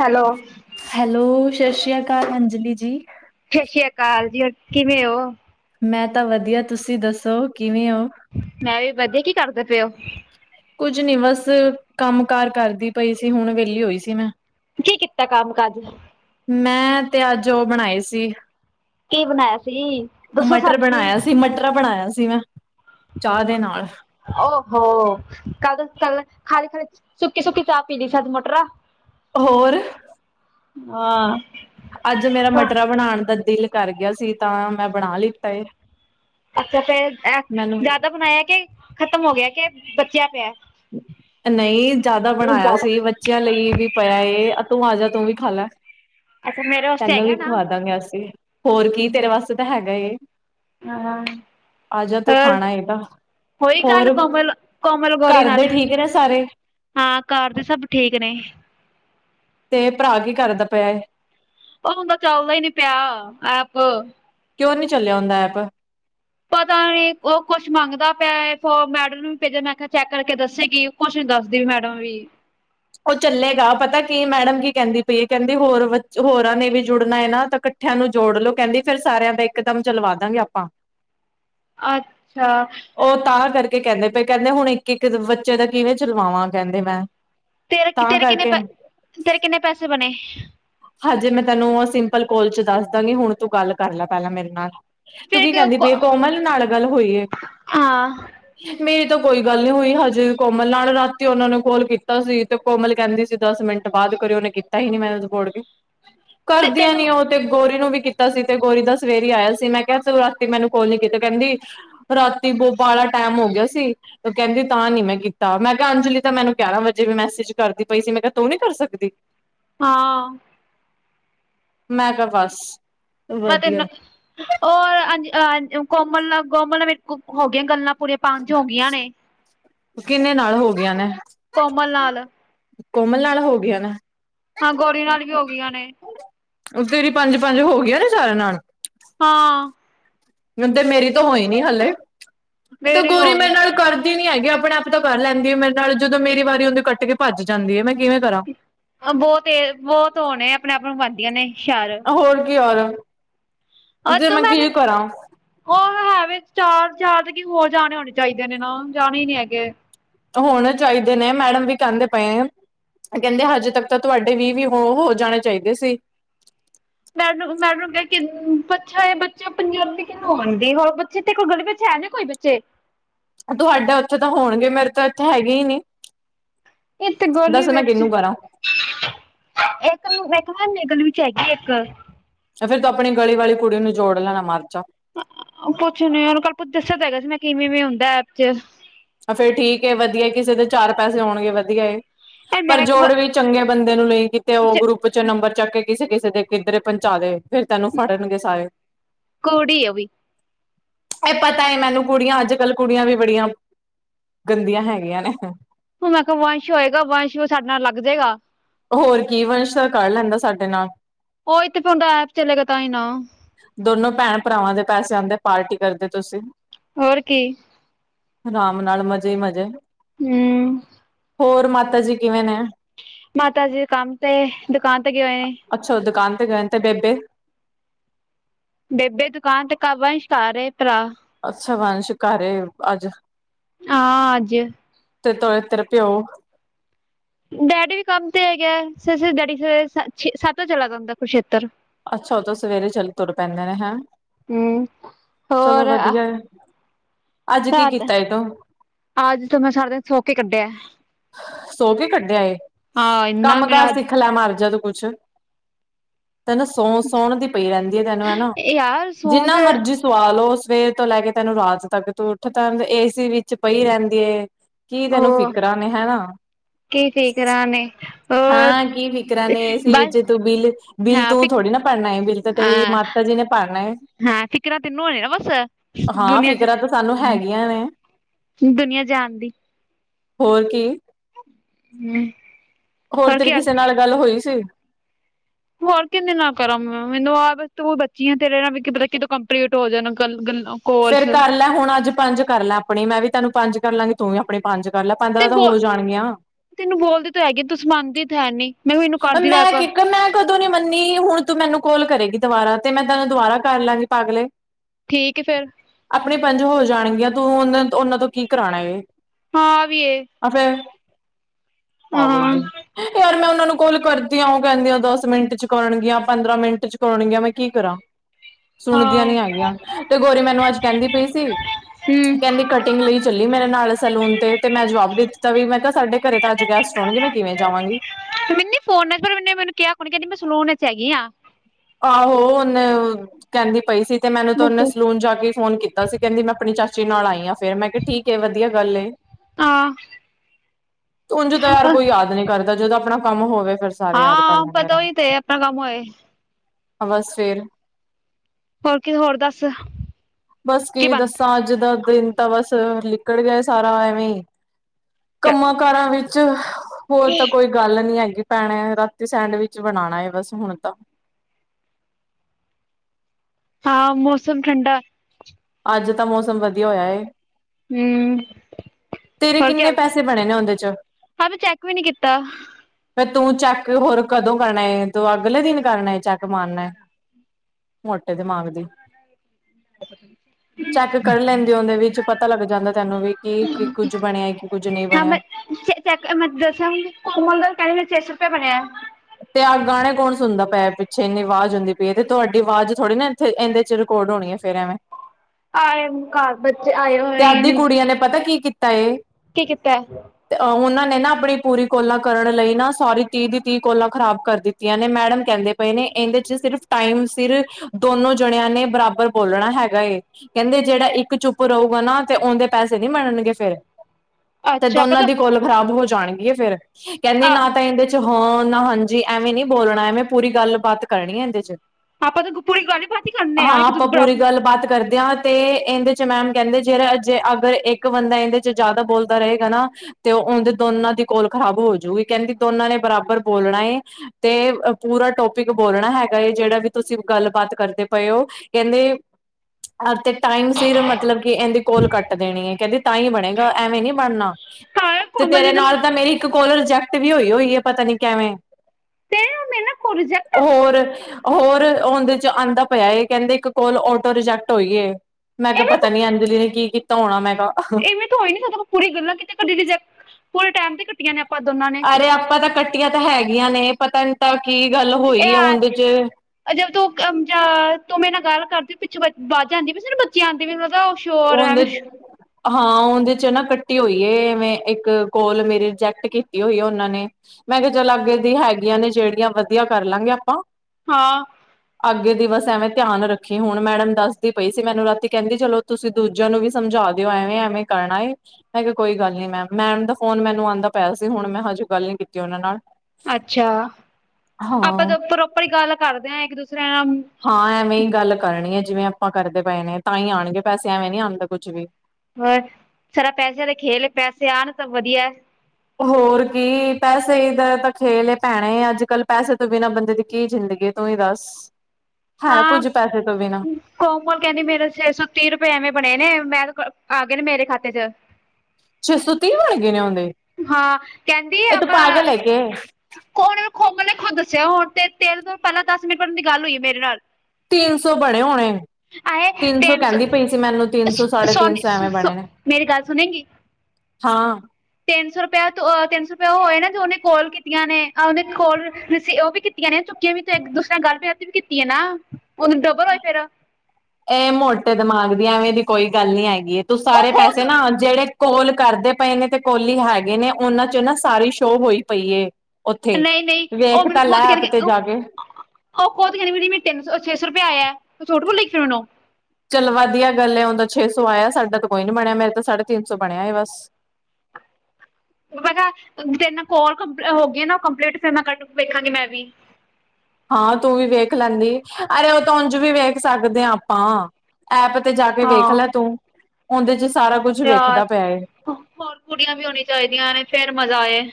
Hello hello, ਸਤਿ ਸ਼੍ਰੀ ਅਕਾਲ ਅੰਜਲੀ ਜੀ ਸਸ੍ਰੀਆ ਕਾਲ ਜੀ। ਹੋਰ ਕਿਵੇਂ ਹੋ? ਮੈਂ ਤਾਂ ਵਧੀਆ। ਤੁਸੀਂ ਦੱਸੋ ਕਿਵੇਂ ਓ? ਮੈਂ ਵੀ ਵਧੀਆ। ਕੀ ਕਰਦੇ ਪਏ ਓ? ਕੁੱਝ ਨੀ ਬਸ ਕੰਮ ਕਾਰ ਕਰਦੀ ਪਈ ਸੀ ਹੁਣ ਵਿਹਲੀ ਹੋਈ ਸੀ ਮੈਂ ਕੀ ਕੀਤਾ ਕੰਮ ਕਾਜ। ਮੈਂ ਤੇ ਅੱਜ ਉਹ ਬਣਾਈ ਸੀ ਕੀ ਬਣਾਇਆ ਸੀ ਦੱਸੋ ਸਾਨੂੰ ਵੀ? ਤੇ ਮਟਰਾ ਬਣਾਇਆ ਸੀ ਮੈਂ ਚਾਹ ਦੇ ਨਾਲ। ਓਹੋ ਕੱਲ-ਕੱਲ ਖਾਲ ਵਿਚ। ਸੁੱਕੀ- ਸੁੱਕੀ ਚਾਹ ਪੀਲੀ ਸਤ ਮਟਰਾ। ਹੋਰ। ਹਾਂ। ਅੱਜ ਮੇਰਾ ਮਟਰਾ ਬਨਾਣ ਦਾ ਦਿਲ ਕਰ ਗਿਆ ਸੀ ਤਾਂ ਮੈਂ ਬਣਾ ਲਿੱਤਾ ਏ। ਅੱਛਾ ਫੇਰ ਮੈਨੂੰ ਜ਼ਿਆਦਾ ਬਣਾਇਆ ਕਿ ਖਤਮ ਹੋ ਗਿਆ ਕਿ ਬਚਿਆ ਪਿਆ ਨਹੀਂ ਜਿਆਦਾ ਬਣਾਇਆ ਸੀ ਬ ਬੱਚਿਆਂ ਲਈ ਵੀ ਪਿਆਆ ਆ ਤੂੰ ਆਜਾ ਤੂੰ ਵੀ ਖਾਲਾ। ਅੱਛਾ ਮੇਰੇ ਵਾਸਤੇ ਤੈਨੂੰ ਹੈਗਾ ਵੀ ਨਾ। ਖਵਾ ਦਾਂਗੇ ਅਸੀਂ ਹੋਰ ਕੀ ਤੇਰੇ ਵਾਸਤੇ ਤਾਂ ਹੈਗਾ ਹਾਂ। ਆਜਾ ਤੂੰ ਫੇਰ ਖਾਣਾ ਏ ਤਾਂ, ਹੋਈ ਗੱਲ ਹੋਰ ਕੋਮਲ। ਕੋਮਲ ਗੋਰੀ ਘਰ ਨਾਲ ਦੇ ਠੀਕ ਨੇ ਸਾਰੇ ਹਾਂ ਘਰ ਦੇ ਸਭ ਠੀਕ ਨੇ ਤੇ ਭਰਾ ਕੀ ਕਰਦਾ ਪਿਆ ਹੈ ਉਹ ਹੁਣ ਤਾਂ ਚੱਲਦਾ ਹੀ ਨੀ ਪਿਆ ਅਪ ਕਿਉਂ ਨੀ ਚਲਿਆ ਓਂਦਾ ਐਪ? ਪਤਾ ਨੀ ਉਹ ਕੁਛ ਮੰਗਦਾ ਪਿਆ ਫੋ ਮੈਡਮ ਨੂੰ ਵੀ ਭੇਜ ਮੈਂ ਕਿਹਾ ਚੈੱਕ ਕਰਕੇ ਦੱਸੇਗੀ ਕੁਛ ਦੱਸਦੀ ਵੀ ਮੈਡਮ ਵੀ। ਉਹ ਚੱਲੇਗਾ ਪਤਾ ਕੀ ਮੈਡਮ ਕੀ ਕਹਿੰਦੀ ਪਈ ਹੈ ਕਹਿੰਦੀ ਹੋਰ ਹੋਰਾਂ ਨੇ ਵੀ ਜੁੜਨਾ ਨਾ ਤਾਂ ਇਕੱਠਿਆਂ ਨੂੰ ਜੋੜ ਲਓ ਕਹਿੰਦੀ ਫਿਰ ਸਾਰਿਆਂ ਦਾ ਇਕਦਮ ਚਲਵਾ ਦਾਂਗੇ ਆਪਾਂ ਅੱਛਾ। ਉਹ ਤਾਂ ਕਰਕੇ ਕਹਿੰਦੇ ਪਏ ਕਹਿੰਦੇ ਹੁਣ ਇੱਕ-ਇੱਕ ਬੱਚੇ ਦਾ ਕਿਵੇਂ ਚਲਵਾਵਾਂ ਕਹਿੰਦੇ ਮੈਂ ਤਾਂ ਤੇਰੇ-ਤੇਰੇ ਕਿੰਨੇ ਕਰਕੇ ਪੈ ਤੇਰੇ ਕਿੰਨੇ ਪੈਸੇ ਬਣੇ ਹਜੇ ਮੈਂ ਤੈਨੂੰ ਓ ਸਿੰਪਲ ਕੋਲ ਚ ਦਸ ਦਾਂਗੀ। ਹੁਣ ਤੂੰ ਗੱਲ ਕਰ ਲੈ ਪਹਿਲਾਂ ਮੇਰੇ ਨਾਲ। ਤੂੰ ਫਿਰ ਕੀ ਕਹਿੰਦੀ ਪਈ ਕੋਮਲ ਨਾਲ ਗੱਲ ਹੋਈ ਹਾਂ ਮੇਰੀ ਤਾਂ ਕੋਈ ਗੱਲ ਨੀ ਹੋਈ ਹਜੇ ਕੋਮਲ ਨਾਲ ਰਾਤੀ ਉਹਨਾਂ ਨੂੰ ਕੋੋਲ ਕੀਤਾ ਸੀ। ਕੋਮਲ ਕਹਿੰਦੀ ਸੀ ਦਸ ਮਿੰਟ ਬਾਅਦ ਕਰਿ ਓਨੇ ਕੀਤਾ ਹੀ ਨੀ ਮੈਂ ਬੋੜ ਕੇ ਤੇ ਕਰਦੀਆਂ ਨੀ ਤੈਨੂੰ ਉਹ ਤੇ ਗੋਰੀ ਨੂੰ ਵੀ ਕੀਤਾ ਸੀ ਤੇ ਗੋਰੀ ਦਾ ਸਵੇਰ ਈ ਆਇਆ ਸੀ। ਮੈਂ ਕਿਆ ਚਲ ਰਾਤੀ ਮੈਨੂੰ ਕੋਲ ਨੀ ਕੀਤੀ। ਓ ਕੈਂਦੀ ਰਾਤੀ ਬੋ ਬਾਲਾ ਟਾਈਮ ਹੋ ਗਿਆ ਸੀ ਉਹ ਕਹਿੰਦੀ ਤਾਂ ਨੀ ਮੈਂ ਕੀਤਾ ਮੈਂ ਕਿਹਾ ਅੰਜਲੀ ਤਾਂ ਮੈਨੂੰ ਗਿਆਰਾਂ ਵਜੇ ਵੀ ਮੈਸੇਜ ਕਰਦੀ ਪਈ ਸੀ ਮੈਂ ਕਿਹਾ ਤੂੰ ਨੀ ਕਰ ਸਕਦੀ ਹਾਂ ਮੈਂਗਾ ਬਸ ਮੈਂ ਤੈਨ ਵਧੀਆ ਹੋਰ ਕੋਮਲ ਨਾਲ ਕੋਮਲ ਨਾਲ ਮੇਰੇ ਹੋ ਗਿਆਂ ਗੱਲਾਂ ਪੂਰੀਆਂ ਪੰਜ ਹੋ ਗਈਆਂ ਨੇ ਕਿੰਨੇ ਨਾਲ ਹੋ ਗਈਆਂ ਨੇ ਕੋਮਲ ਨਾਲ ਕੋਮਲ ਨਾਲ ਹੋ ਗੀਆ ਨਾ ਹਾਂ ਗੋਰੀ ਨਾਲ ਵੀ ਹੋ ਗਈ ਹੁਣੇ। ਉਹ ਤੇਰੀ ਪੰਜ-ਪੰਜ ਹੋ ਗਿਆ ਨੇ ਸਾਰਿਆਂ ਨਾਲ ਹਾਂ। ਤੇ ਮੇਰੀ ਤਾਂ ਹੋਈ ਨੀ ਹਲੇ ਤੇ ਮੇਰੀ ਗੋਰੀ ਹੋ ਮੇਰੇ ਗਈ ਨਾਲ ਕਰ ਨੀ ਹੈਗੀ ਆਪਣੇ ਆਪ ਤਾਂ ਕਰ ਲੈਂਦੀ ਮੇਰੇ ਨਾਲ ਜਦੋਂ ਮੇਰੀ ਵਾਰੀ ਉਹਦੀ ਕੱਟ ਕੇ ਭੱਜ ਜਾਂਦੀ ਹੈ ਮੈਂ ਕਿਵੇਂ ਕਰਾਂ ਬਹੁਤ-ਬਹੁਤ ਉਹ ਨੇ ਆਪਣੇ ਆਪ ਨੂੰ ਬਣਦੀਆਂ ਨੇ ਹੋਸ਼ਿਆਰ ਹੋਰ ਕੀ ਹੋਰ। ਜੇ ਮੈਂ ਕੀ ਕਰਾਂ। ਹੋਰ ਹੈ ਵਿਚ ਚਾਰ-ਚਾਰ ਕਿ ਹੋਰ ਜਾਣੇ ਹੋਣੇ ਚਾਹੀਦੇ ਨੇ ਨਾ ਜਾਣੇ ਈ ਨੀ ਹੈਗੇ। ਹੋਣੇ ਚਾਈਦੇ ਨੇ ਮੈਡਮ ਵੀ ਕਹਿੰਦੇ ਪਏ। ਕਹਿੰਦੇ ਹਜੇ ਤੱਕ ਤਾਂ ਤੁਹਾਡੇ ਵੀ-ਵੀ ਹੋ-ਹੋ ਜਾਣੇ ਚਾਹੀਦੇ ਸੀ ਮੈਡਮ-ਮੈਡਮ ਨੂੰ ਕ ਕੇ ਅੱਛਾ ਇਹ ਬੱਚਾ ਪੰਜਾਬੀ ਕਿ ਨ ਆਂਦੀ ਹੋਰ ਤੇ ਤੇਰੇ ਕੋਈ ਗਲੀ ਵਿੱਚ ਹੈ ਨੇ ਕੋਈ ਬੱਚੇ ਤੁਹਾਡੇ ਉੱਥੇ ਤਾਂ ਹੋਣਗੇ। ਮੇਰੇ ਤਾਂ ਇੱਥੇ ਹੈਗੇ ਈ ਨੀ। ਇੱਥੇ ਗਲੀ ਦੱਸ ਮੈਂ ਵਿੱਚ ਕਿਹਨੂੰ ਕਰਾਂ। [unintelligible] ਤੇ ਫੇਰ ਤੂੰ ਆਪਣੀ ਗਲੀ ਵਾਲੀ ਕੁੜੀ ਨੂੰ ਜੋੜ ਲੈਣਾ ਮਰਜਾ। ਪੁੱਛ ਨੀ ਆ। ਉਹਨੂੰ ਕੱਲ ਪੁੱਛ ਦੱਸਿਆ ਤਾਂ ਹੈਗਾ ਸੀ ਮੈਂ ਕਿਵੇਂ-ਕਿਵੇਂ ਹੁੰਦਾ ਐਪ ਚ। ਫੇਰ ਠੀਕ ਹੈਏ ਵਧੀਆ ਕਿਸੇ ਦੇ ਚਾਰ ਪੈਸੇ ਆਣਗੇ ਵਧੀਆ ਮੈਂ ਪਰ ਕਿਹਾ ਜੋੜ ਵਿੱਚ ਇੱਕ ਚੰਗੇ ਬੰਦੇ ਨੂੰ ਲਈ ਕੀਤੇ ਉਹ ਗਰੁੱਪ ਚ ਨੰਬਰ ਚੱਕ ਕੇ ਕਿਸੇ-ਕਿਸੇ ਦੇ ਕਿੱਧਰੇ ਪਹੁੰਚਾ ਦੇ ਫਿਰ ਤੈਨੂੰ ਫੜਨਗੇ ਸਾਰੇ। ਕੁੜੀ ਉਹ ਵੀ ਇਹ ਪਤਾ ਮੈਨੂੰ ਕੁੜੀਆਂ ਅੱਜ ਕੱਲ ਕੁੜੀਆਂ ਵੀ ਬੜੀਆਂ ਗੰਦੀਆਂ ਹੈਗੀਆਂ ਨੇ ਹੁਣ ਮੇਕੋ ਵੰਸ਼ ਹੋਏਗਾ। ਵੰਸ਼ੂ ਸਾਡੇ ਨਾਲ ਲੱਗ ਜਾਏਗਾ। ਹੋਰ ਕੀ ਵੰਸ਼ ਤਾਂ ਕਰ ਲੈਂਦਾ ਸਾਡੇ ਨਾਲ ਉਹਤੇੇ ਤੁਹਾਡਾ ਐਪ ਚਲੇਗਾ ਤਾਂ ਹੀ ਨਾ ਦੋਨੋ ਭੈਣ ਭਰਾਵਾਂ ਦੇ ਪੈਸੇ ਆਂਦੇ ਪਾਰਟੀ ਕਰਦੇ ਤੁਸੀਂ। ਹੋਰ ਕੀ। ਅਰਾਮ ਨਾਲ ਮਜ਼ੇ ਈ ਮਜ਼ੇ। ਹਮ। ਹੋਰ ਮਾਤਾ ਜੀ ਕਿਵੇਂ ਨੇ ਮਾਤਾ ਜੀ ਕੰਮ ਤੇ ਦੁਕਾਨ ਤੇ ਗਏ ਹੋਏ। ਅੱਛਾ ਉਹ ਦੁਕਾਨ ਤੇ ਗਏ ਤੇ ਬੇਬੇ ਬੇਬੇ ਦੁਕਾਨ ਤੇ ਕ ਵੰਸ਼ ਘਰ ਹ ਭਰਾ ਅੱਛਾ ਵੰਸ਼ ਘਰ ਏ ਅੱਜ। ਆਂ ਅੱਜ। ਤੇ ਤੋ ਤੇ ਪਿਓ ਡੈਡੀ ਵੀ ਕੰਮ ਤੇ ਹੈ ਗਿਆ ਡੈਡੀ ਸਵੇਛੇ ਸੱਤ ਚਲਾਦਾ ਹੁੰਦਾ ਕੁਸ਼ਛੇਤਰ। ਅੱਛਾ ਉਹ ਤੋਂ ਸਵੇਰੇ ਜਲ ਤੁਰ ਪੈਂਦੇ ਨੇ ਹੈਂ। ਹੂੰ ਚਲੋ ਹੋਰ ਵਧੀਆ ਹੈ ਅੱਜ ਕੀ ਕੀਤਾ ਏ ਤੂੰ ਅੱਜ ਤਾਂ ਮੈਂ ਸਾਰਾ ਦਿਨ ਸੋ ਕੇ ਕੱਢਿਆ ਸੋ ਕੇ ਕੱਢਿਆ ਹਾਂ ਇੰਨਾ ਕੰਮ ਮੇਰਾ ਕਾਜ ਅੱਜ ਸਿੱਖ ਲੈ ਮਾਰਜਾ ਤੂੰ ਕੁੱਛ ਤੈਨੂੰ ਸੌਣ-ਸੌਣ ਦੀ ਪਈ ਰਹਿੰਦੀ ਹੈ ਤੈਨੂੰ ਹੈਨਾ ਯਾਰ ਸੌਣ ਚ ਜਿੰਨਾ ਮਰਜੀ ਸੁਆ ਲਉ ਸਵੇਰ ਤੋਂ ਲੈ ਕੇ ਤੈਨੂੰ ਰਾਤ ਤੱਕ ਤੂੰ ਉੱਠ ਤਾਂ ਏ ਸੀ ਵਿੱਚ ਪਈ ਰਹਿੰਦੀ ਏ। ਕੀ ਤੈਨੂੰ ਉਹ ਫਿਕਰਾਂ ਨੇ ਹਨਾ। ਕੀ ਫਿਕਰਾਂ ਨੇ ਹੋਰ ਹਾਂ ਕੀ ਫਿਕਰਾਂ ਨੇ ਏਸੀ ਬਸ ਵਿੱਚ ਤੂੰ ਬਿੱਲ। ਬਿੱਲ ਹਾਂ ਤੂੰ ਫਿਕ ਥੋੜੀ ਨਾ ਭਰਨਾ ਬਿੱਲ ਤਾਂ ਤੇਰੀ ਅ ਮਾਤਾ ਜੀ ਨੇ ਭਰਨਾ। ਹਾਂ ਫਿਕਰਾਂ ਤੈਨੂੰ ਆ ਬਸ ਹਾਂ ਦੁਨੀਆਂ ਚ। ਫਿਕਰਾਂ ਤਾਂ ਸਾਨੂੰ ਹੈਗੀਆਂ ਨੇ ਦੁਨੀਆਂ ਜਹਾਨ ਦੀ। ਹੋਰ ਕੀ। [inaudible] ਹੋਰ ਤੇਰੀ ਕੀ ਹਾਲ ਕਿਸੇ ਨਾਲ ਗੱਲ ਹੋਈ ਸੀ? ਹੋਰ ਕਿਨਦੇ ਨਾ ਕਰਾਂ ਮੈਂ ਮੈਨੂੰ ਆਪ ਤੂੰ ਬੱਚੀ ਐ ਤੇਰੇ ਨਾਲ ਵੀ ਪਤਾ ਕਿਦੋਂ ਕੰਪਲੀਟ ਹੋ ਜਾਣਾ ਗੱਲ ਗੱਲਾਂ। ਕੋਲਸ ਫੇਰ ਕਰ ਲੈ ਹੁਣ ਅੱਜ ਪੰਜ ਕਰ ਲੈ ਆਪਣੀ ਮੈਂ ਵੀ ਤੈਨੂੰ ਪੰਜ ਕਰ ਲਾਂਗੀ ਤੂੰ ਵੀ ਆਪਣੇ ਪੰਜ ਕਰ ਲੈ। ਤੇ ਪੰਦਰਾਂ ਤਾਂ ਬੋ ਹੋ ਜਾਣਗੀਆਂ। ਤੈਨੂੰ ਬੋਲਦੀ ਤਾਂ ਹੈਗੇ ਤੁਸੀਂ ਮੰਨਦੀ ਤਾਂ ਹੈ ਨੀ। ਮੈਂ ਮੈਨੂੰ ਕਰਦੀ ਰਹਿ ਮੈਂ ਕਰ ਕਿ ਅਗਰ ਮੈਂ ਕਦੋਂ ਨੀ ਮੰਨੀ ਹੁਣ ਤੂੰ ਮੈਨੂੰ ਕਾਲ ਕਰੇਗੀ ਦੁਬਾਰਾ ਤੇ ਮੈਂ ਤੈਨੂੰ ਦੁਬਾਰਾ ਕਰ ਲਾਂਗੀ ਪਾਗਲੇ। ਠੀਕ ਫਿਰ। ਆਪਣੇ ਪੰਜ ਹੋ ਜਾਣਗੀਆਂ ਤੂੰ ਉਹ ਉਹਨਾਂ ਤੋਂ ਕੀ ਕਰਾਉਣਾ ਹੈ। ਹਾਂ ਆ ਵੀਏ ਆ ਫਿਰ ਪਾਗਲ ਹਾਂ ਜੀ ਕੀ ਯਾਰ ਮੈਂ ਉਹਨਾਂ ਨੂੰ। ਕੋਲ ਕਰਦੀਆਂ ਉਹ ਕਹਿੰਦੀਆਂ ਦੱਸ ਮਿੰਟ ਚ ਕਰਨਗੀਆਂ ਪੰਦਰਾਂ ਮਿੰਟ ਚ ਕਰਣਗੀਆਂ ਮੈਂ ਕੀ ਕਰਾਂ। ਸੁਣਦੀਆਂ ਹਾਂ ਨੀ ਹੈਗੀਆਂ ਤੇ ਗੋਰੀ ਮੈਨੂੰ ਅੱਜ ਕਹਿੰਦੀ ਪਈ ਸੀ ਹੂੰ ਕਹਿੰਦੀ ਕਟਿੰਗ ਲਈ ਚੱਲੀ ਮੇਰੇ ਨਾਲ ਸਲੂਨ ਤੇ। ਤੇ ਮੈਂ ਜਵਾਬ ਦੇ ਦਿੱਤਾ ਵੀ ਮੈਂ ਕਿਹਾ ਸਾਡੇ ਘਰੇ ਤਾਂ ਅੱਜ ਗੈਸਟ। ਆਉਣ ਗੇ ਮੈਂ ਕਿਵੇਂ ਜਾਵਾਂਗੀ ਮਿਨੀ ਫੋਨ ਨਾ ਕਰੋ ਉਹਨੇ ਮੈਨੂੰ ਕਿਹਾ ਹੁਣੀ ਮੈਂ ਸੈਲੂਨ ਚ ਹੈਗੀ ਆ। ਆਹੋ ਉਹਨੇ ਹੁਣ ਕਹਿੰਦੀ ਪਈ ਸੀ ਤੇ, ਮੈਨੂੰ ਤਾਂ ਉਹਨੇ ਸਲੂਨ ਜਾ ਕੇ ਫੋਨ ਕੀਤਾ ਸੀ। ਕਹਿੰਦੀ ਮੈਂ ਆਪਣੀ ਚਾਚੀ ਨਾਲ ਆਈ ਹਾਂ ਫੇਰ ਮੈਂ ਕਿਹਾ ਠੀਕ ਏ ਵਧੀਆ ਗੱਲ ਏ। ਹਾਂ ਉਂਝ ਤਾਂ ਯਾਰ ਕੋਈ ਯਾਦ ਨਹੀਂ ਕਰਦਾ ਜਦੋਂ ਆਪਣਾ ਕੰਮ ਹੋਵੇ ਫਿਰ। ਸਾਰੇ ਯਾਦ ਕਰ ਹਾਂ ਲੈਂਦੇ ਪਤੋ ਹੀ ਤੇ ਆਪਣਾ ਕੰਮ ਹੋਏ। ਅ ਬਸ ਫਿਰ ਹੋਰ ਕੀ ਹੋਰ ਦੱਸ? ਬਸ ਕੀ ਦੱਸਾਂ ਅੱਜ ਦਾ ਦਿਨ ਤਾਂ ਬਸ ਨਿਕਲ ਗਿਆ ਸਾਰਾ ਐਵੇਂ ਹੀ। ਕੰਮਾਂ- ਕਾਰਾਂ ਵਿੱਚ ਹੋਰ ਤਾਂ ਕੋਈ ਗੱਲ ਨੀ ਹੈਗੀ ਭੈਣੇ ਰਾਤੀ ਸੈਂਡਵਿਚ ਬਣਾਉਣਾ ਹੈ ਬਸ ਹੁਣ ਤਾਂ। ਹਾਂ ਮੌਸਮ ਠੰਡਾ। ਅੱਜ ਤਾਂ ਮੌਸਮ ਵਧੀਆ ਹੋਇਆ ਏ। ਹਮ ਤੇਰੇ ਹੋਰ ਕੀ ਕਿੰਨੇ ਹਾਲ ਪੈਸੇ ਬਣੇ ਨੇ ਉਹਦੇ ਹਲੇ ਚੈੱਕ ਵੀ ਨੀ ਕੀਤਾ। ਫਿਰ ਤੂੰ ਚੈੱਕ ਹੋਰ ਕਦੋਂ ਕਰਨਾ ਤੂੰ ਅਗਲੇ ਦਿਨ ਕਰਨਾ ਚੈੱਕ ਮਨਲੇ। ਮੋਟੇ ਦੇਮਾਗ ਦੀ। [unintelligible] ਚੈਕ ਕਰ ਲੈਦੇ ਉਹਦੇ ਵਿੱਚ ਪਤਾ ਲੱਗ ਜਾਦਾ ਤੈਨੂੰ ਵੀ ਕਿ ਕੀ ਕੁੱਝ ਬਣਿਆ ਕੀ ਕੁੱਝ ਨਹੀ ਹਾਂ ਬਣਿਆ। ਮੈਂ ਚੈੱਕ ਮੈਂ ਦਸਾ ਦੱਸਾਂਗੀ ਨੀ ਉਹਦਾ ਕਿਵੇਂ ਛੇ ਸੌ ਰੁਪਿਆ ਬਣਿਆ। ਤੇ ਆਹ ਗਾਣੇ ਕੌਣ ਸੁਣਦਾ ਪਿਆ ਪਿੱਛੇ ਇੰਨੀ ਆਵਾਜ਼ ਹੁੰਦੀ ਪਈ ਤੇ ਤੁਹਾਡੀ ਆਵਾਜ਼ ਥੋੜ੍ਹੀ ਨਾ ਇਹਦੇ ਚ ਰਿਕਾਰਡ ਹੋਣੀ ਆ ਫੇਰ ਐਵੇਂ ਆਏ ਘਰ ਬੱਚੇ ਆਏ ਤੇ ਹੋਏ ਅੱਧੀ ਕੁੜੀਆਂ ਨੇ ਪਤਾ ਕੀ ਕੀਤਾ ਏ। ਕੀ ਕੀਤਾ? ਉਹਨਾਂ ਨੇ ਨਾ ਆਪਣੀ ਪੂਰੀ ਕੋਲਾਂ ਕਰਨ ਲਈ ਨਾ ਸਾਰੀ ਤੀਹ ਦੀ ਤੀਹ ਕੋਲਾਂ ਖ਼ਰਾਬ ਕਰ ਦਿੱਤੀਆਂ ਨੇ, ਮੈਡਮ ਕਹਿੰਦੇ ਪਏ ਨੇ ਇਹਦੇ ਚ ਸਿਰਫ ਟਾਈਮ ਸਿਰ। ਦੋਨੋ ਜਣਿਆਂ ਨੇ ਬਰਾਬਰ ਬੋਲਣਾ ਹੈਗਾ ਏ। ਕਹਿੰਦੇ ਜਿਹੜਾ ਇੱਕ ਚੁੱਪ ਰਹੂਗਾ ਨਾ, ਤੇ ਆਉਂਦੇ ਪੈਸੇ ਨਹੀ ਮੰਨਨਗੇ ਫੇਰ। ਤੇ ਅੱਛਾ ਆਪਾਂ ਦੋਨਾਂ ਤਾਂ ਦੀ ਕੋਲ ਖ਼ਰਾਬ ਹੋ ਜਾਣਗੀ ਹੈ ਫੇਰ ਕਹਿੰਦੀ ਆਹ ਨਾ ਤਾਂ ਇਹਦੇ ਚ ਹਾਂ। ਹਾਂਜੀ, ਐਵੇਂ ਨੀ ਬੋਲਣਾ ਐਵੇਂ ਪੂਰੀ ਗੱਲਬਾਤ ਕਰਨੀ ਹੈ ਇਹਦੇ ਤੇ। ਆਪਾਂ ਤਾਂ ਪੂਰੀ ਗੱਲ ਬਾਤ ਹੀ ਕਰਨੇ ਹਾਂ ਆ ਇੱਕ ਦੂਜੇ ਆਪਾਂ ਪੂਰੀ ਬਰਾਬਰ ਗੱਲਬਾਤ ਕਰਦੇ ਹਾਂ। ਤੇ ਇਹਦੇ ਚ ਮੈਮ ਕਹਿੰਦੇ ਜਿਹੜਾ ਜੇ ਅਗਰ ਇੱਕ ਬੰਦਾ ਇਹਦੇ ਚ ਜ਼ਿਆਦਾ ਬੋਲਦਾ ਰਹੇਗਾ ਨਾ। ਤੇ ਉਹਦੇ ਦੋਨਾਂ ਦੀ ਕੋਲ ਖਰਾਬ ਹੋ ਜੂਗੀ ਕਹਿੰਦੀ ਦੋਨਾਂ ਨੇ ਬਰਾਬਰ ਬੋਲਣਾ ਏ। ਤੇ ਪੂਰਾ ਟੋਪਿਕ ਬੋਲਣਾ ਹੈਗਾ ਹੈ। ਜਿਹੜਾ ਵੀ ਤੁਸੀਂ ਗੱਲਬਾਤ ਕਰਦੇ ਪਏ ਹੋ। ਕਹਿੰਦੇ ਅਹ। ਟਾਈਮ ਸਿਰ ਮਤਲਬ ਕਿ ਇਹਦੇ ਕੋਲ ਕੱਟ ਦੇਣੀ ਹੈ। ਕਹਿੰਦੀ ਤਾਂ ਹੀ ਬਣੇਗਾ ਐਵੇਂ ਨੀ ਬਣਨਾ। ਹਾਂ ਤੇ ਕੋਮਲ ਨੇ ਤੇਰੇ ਨਾ ਨਾਲ ਤਾਂ ਮੇਰੀ ਇੱਕ ਕੋਲ ਰਿਜੈਕਟ ਵੀ ਹੋਈ-ਹੋਈ ਹੈ ਪਤਾ ਨੀ ਕਿਵੇਂ। [unintelligible] ਹੋਰ-ਹੋਰ ਉਹਦੇ ਚ ਆਉਂਦਾ ਪਿਆ, ਕਹਿੰਦੇ ਇੱਕ ਕੋਲ ਆਟੋ ਰਿਜੈਕਟ ਹੋਈ ਏ। ਮੈਂਨੂੰ ਇਵੇਂ ਪਤਾ ਤੂੰ ਨੀ ਅੰਜਲੀ ਨੇ ਕੀ ਕੀਤਾ ਹੋਣਾ ਮੈ ਕਿਹਾ। ਇਵੇਂ ਤਾਂ ਹੋਈ ਨੀ ਸਕਦਾ ਪੂਰੀ ਗੱਲਾਂ ਕੀਤੀਆਂ ਸਾਡੀਆਂ ਰਿਜੈਕਟ ਪੂਰੇ ਟਾਈਮ ਤੇ ਕੱਟੀਆਂ ਨੇ ਆਪਾਂ ਦੋਨਾਂ ਨੇ। ਅਰੇ ਆਪਾਂ ਤਾਂ ਕੱਟੀਆਂ ਤਾਂ ਹੈਗੀਆਂ ਨੇ ਪਤਾ ਤਾਂ ਕੀ ਗੱਲ ਹੋਈ ਹੈ ਉਦੇ ਚ ਜ ਤੂੰ-ਤੂੰ ਮੇਰੇ ਨਾਲ ਗੱਲ ਕਰਦੀ ਪਾਈ ਪਿੱਛੋਂ ਵਾਜਾਂ ਆਂਦੀ ਵੀ ਸੀ ਨਾ ਬੱਚੇਆ ਦੀ ਫੇ ਮੈਂ ਕਿਹਾ ਆ ਉਹ। ਸ਼ੋਰ ਫੋਨ ਦੇ। ਐ ਹਾਂ ਉਹਦੇ ਚ ਨਾ ਕੱਟੀ ਹੋਈ ਹੈ, ਏਵੇ ਇੱਕ ਕੋਲ ਮੇਰੀ ਰਿਜੈਕਟ ਕੀਤੀ ਹੋਈ ਹੈ ਉਹਨਾਂ ਨੇ। ਮੈਂ ਕਿਹਾ ਚਲ ਅਗੇ ਦੀ ਹੈਗੀਆਂ ਨੇ ਜਿਹੜੀਆਂ ਵਧੀਆ ਕਰ ਲਾਂਗੇ ਆਪਾਂ। ਹਾਂ। ਅੱਗੇ ਦੀ ਬਸ ਐਵੇਂ ਧਿਆਨ ਰੱਖੀ ਹੁਣ ਮੈਡਮ ਦੱਸਦੀ ਪਈ ਸੀ ਮੈਨੂੰ ਰਾਤੀ ਕਹਿੰਦੀ ਚਲੋ। ਤੁਸੀਂ ਦੂਜਿਆਂ ਨੂੰ ਵੀ ਸਮਝਾ ਦਿਓ ਐਵੇਂ-ਐਵੇਂ ਕਰਨਾ ਹੈ। ਮੈਂ ਕਿਹਾ ਕੋਈ ਗੱਲ ਨੀ ਮੈ ਮੈਮ ਦਾ ਫੋਨ ਮੈਨੂੰ ਆਉਂਦਾ ਪਿਆ ਸੀ ਹੁਣ ਮੈਂ ਹਜੇ ਗੱਲ ਨੀ ਕੀਤੀ ਉਹਨਾਂ ਨਾਲ। ਅੱਛਾ, ਆਪਾਂ ਹਾਂ ਤ ਪ੍ਰੋਪਰ ਗੱਲ ਕਰਦੇ ਹਾਂ ਇੱਕ ਦੂਸਰੇਆਂ ਨਾਲ। ਹਾਂ ਐਵੇਂ ਹੀ ਗੱਲ ਕਰਨੀ ਹੈ ਜਿਵੇਂ ਆਪਾਂ ਕਰਦੇ ਪਏ ਨੇ ਤਾਂ ਹੀ ਆਉਣਗੇ ਪੈਸੇ ਐਵੇਂ ਨੀ ਆਉਣਂਦੇ ਕੁਛ ਵੀ ਹੋਰ ਸਾਰਾ ਪੈਸੇ ਦੇ ਖੇਲ ਪੈਸੇ ਆਉਣ ਤਾਂ ਵਧੀਆ। ਹੋਰ ਕੀ ਪੈਸੇ ਤਾਂ ਖੇਲ ਏ ਭੈਣੇ ਅੱਜ ਕੱਲ ਪੈਸੇ ਤੋਂ ਬਿਨਾਂ ਬੰਦੇ ਦੀ ਕੀ ਜ਼ਿੰਦਗੀ। ਤੂੰ ਹੀ ਦੱਸ ਹੈ ਕੁੱਝ ਪੈਸੇ ਤੋਂ ਬਿਨਾ। ਕੁਮ ਕੋਲ ਕਹਿੰਦੀ ਮੇਰੇ ਛੇ ਸੌ ਤੀਹ ਰੁਪਏ ਐਵੇਂ ਬਣੇ ਨੇ ਮੈਂ ਆ ਗਏ ਨੇ ਮੇਰੇ ਖਾਤੇ ਚ ਛੇ ਸੌ ਤੀਹ ਹੋ ਗਏ ਨੇ ਉਹਦੇ? ਹਾਂ ਕਹਿੰਦੀ ਇਹ ਤਾਂ ਪਾਗਲ ਆਪਾਂ ਹੈਗੇ ਉਹ ਨੇ ਖੁਦ ਦੱਸਿਆ ਹੁਣ ਤੇਰੇ ਤੋਂ ਪਹਿਲਾਂ ਦਸ ਮਿੰਟ ਪਹਲੇ ਦੀ ਗੱਲ ਹੋਈ ਹੈ ਮੇਰੇ ਨਾਲ। ਤਿੰਨ ਸੌ ਬਣੇ ਹੋਣੇ। ਤਿੰਨ ਸੌ ਕਹਿੰਦੀ ਪਈ ਸੀ ਮੈਨੂੰ ਤਿੰਨ ਸੌ ਸਾਢੇ ਤਿੰਨ ਸੋਨੀ ਸੌ ਐਵੇਂ ਬਣੇ ਨੇ। ਮੇਰੀ ਗੱਲ ਸੁਣੇਗੀ ਹਾਂ। ਤਿੰਨ ਸੌ ਰੁਪਏ ਤਿੰਨ ਸੌ ਰੁਪਇਆ ਉਹ ਹੋਏ ਨਾ ਤੇ ਉਹਨੇ ਕੋਲ ਕੀਤੀਆਂ ਨੇ ਉਹਨੇ ਕੋਲ ਰਿ ਉਹ ਵੀ ਕੀਤੀਆ। ਨੇ ਚੁੱਕੀਆਂ ਵੀ ਤੇ ਇਕ ਦੂਸਰੇ ਨਾਲ ਗੱਲ ਫੇ ਤੇ ਵੀ ਕੀਤੀ ਹੈ ਨਾ ਉਨੂੰ ਡਬਰ ਹੋਏ ਤੇਰਾ- ਇਹ ਮੋਟੇ ਦਿਮਾਗ ਦੀ ਐਵੇਂ ਦੀ ਕੋਈ ਗੱਲ ਨੀ ਹੈਗੀ ਤੂੰ ਉਹ ਸਾਰੇ ਖੁਦ ਪੈਸੇ ਨਾ ਜਿਹੜੇ ਕੋਲ ਕਰਦੇ ਪਏ ਨੇ ਤੇ ਕੋਲੀ ਹੈਗੇ ਨੇ ਉਹਨਾਂ ਚ ਨਾ ਸਾਰੀ ਸ਼ੋਅ ਹੋਈ ਪਈ ਉੱਥੇ ਨਹੀਂ ਨਹੀਂ ਵੇਖ ਉਹ ਮੈਨੂੰ ਤਾਂ ਲੈ ਖੁਦ ਐਪ ਕਹਿਣਗੇ ਤੇ ਜਾ ਕੇ। ਉਹ ਖੁਦ ਕਿੰਹਦੀ ਵੀ ਮੇ ਤਿੰਨ ਸੌ, ਛੇ ਸੌ ਰੁਪਇਆ ਆਇਆ, ਤੋਂ ਝੂਠ ਬੋਲੇਗੀ ਮੈਨੂੰ ਓਹ। ਚਲੋ ਵਧੀਆ ਗੱਲ ਉਦਾ ਛੇ ਸੌ ਆਇਆ ਸਾਡਾ ਤਾਂ ਕੋਈ ਨੀ ਬਣਿਆ ਮੇਰੇ ਤਾਂ ਸਾਢੇ ਤਿੰਨ ਸੌ ਬਣਿਆ ਬਸ ਔ ਮੈਂ ਕਿਹਾ ਤੇਰੇ ਨਾਲ ਕਾੱਲ ਹੋ ਗਏ ਨਾ ਕੰਪਲੀਟ, ਫਿਰ ਮੈਂ ਕੱਢ ਵੇਖਾਂਗੀ ਮੈਂ ਵੀ ਹਾਂ ਤੂੰ ਵੀ ਵੇਖ ਲੈਂਦੀ, ਅਰੇ ਉਹ ਤਾਂ ਉੰਝ ਵੀ ਵੇਖ ਸਕਦੇ ਹਾਂ ਆਪਾਂ। ਐਪ ਤੇ ਜਾ ਕੇ ਵੇਖ ਹਾਂ ਲੈ ਤੂੰ, ਉਹਦੇ ਚ ਸਾਰਾ ਕੁਛ ਯਾਰ ਵੇਖਦਾ ਪਿਆ ਏ। ਹੋਰ ਕੁੜੀਆਂ ਵੀ ਹੋਣੀ ਚਾਹੀਦੀਆਂ ਨੇ, ਫੇਰ ਮਜ਼ਾ ਆਏ।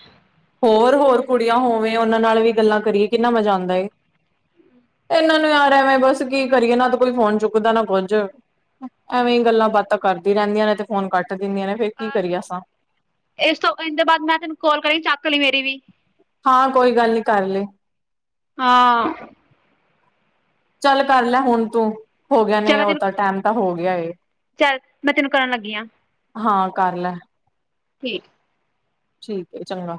ਹੋਰ-ਹੋਰ ਕੁੜੀਆਂ ਹੋਵੇ, ਉਹਨਾਂ ਨਾਲ ਵੀ ਗੱਲਾਂ ਕਰੀਏ ਕਿੰਨਾ ਮਜ਼ਾ ਆਉਂਦਾ ਏ। ਇਹਨਾਂ ਨੂੰ ਯਾਰ ਐ ਮੈਂ ਬੱਸ ਕੀ ਕਰੀਏ, ਇਹ ਨਾ ਤੇ ਕੋਈ ਫੋਨ ਚੁੱਕਦਾ ਨਾ ਕੁੱਝ। ਐਵੇਂ ਹੀ ਗੱਲਾਂ ਬਾਤਾਂ ਕਰਦੀ ਰਹਿੰਦੀਆਂ ਨੇ ਤੇ ਫੋਨ ਕੱਟ ਦਿੰਦੀਆਂ ਨੇ ਫੇਰ ਕੀ ਕਰੀਏ ਸਾਂ ਇਸ ਤੋਂ ਇਹਦੇ ਬਾਅਦ ਮੈਂ ਤੈਨੂੰ ਕਾਲ ਕਰੀ, ਚੱਕ ਲਈ ਮੇਰੀ ਵੀ। ਹਾਂ ਕੋਈ ਗੱਲ ਨਹੀਂ, ਕਰ ਲਏ। ਹਾਂ ਚੱਲ ਕਰ ਲੈ, ਹੁਣ ਤੂੰ। ਹੋ ਗਿਆ ਚ ਨੇ, ਮੈਂ ਉਹ ਤੈਨੂੰ ਤਾਂ ਟੈਮ ਤਾਂ ਹੋ ਗਿਆ ਏ। ਚੱਲ ਮੈਂ ਤੈਨੂੰ ਕਰਨ ਲੱਗੀ ਆ ਹਾਂ ਕਰ ਲੈ ਠੀਕ। ਠੀਕ ਏ ਚੰਗਾ।